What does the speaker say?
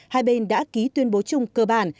hai bên đã ký tuyên bố chung cơ bản